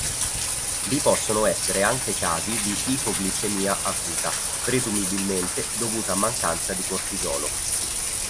Vi possono essere anche casi di ipoglicemia acuta, presumibilmente dovuta a mancanza di cortisolo.